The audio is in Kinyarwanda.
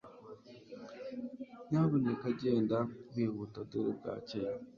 Nyabuneka genda wihuta dore bwakeye